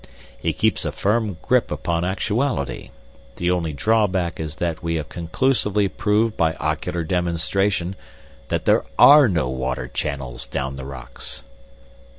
"He keeps a firm grip upon actuality. The only drawback is that we have conclusively proved by ocular demonstration that there are no water channels down the rocks."